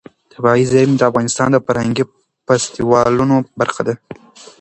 طبیعي زیرمې د افغانستان د فرهنګي فستیوالونو برخه ده.